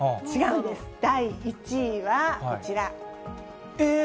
第１位はこちら。